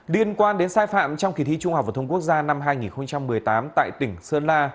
liên quan đến sai phạm trong kỳ thi trung học phổ thông quốc gia năm hai nghìn một mươi tám tại tỉnh sơn la